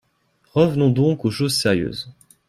Revenons donc aux choses sérieuses.